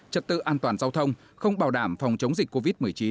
trật tự an toàn giao thông không bảo đảm phòng chống dịch covid một mươi chín